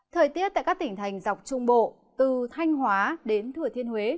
thời tiết tại các tỉnh thành dọc trung bộ từ thanh hóa đến thừa thiên huế